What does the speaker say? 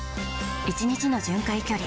１日の巡回距離